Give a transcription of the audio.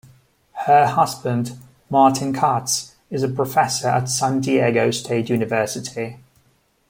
Her husband, Martin Katz, is a professor at San Diego State University.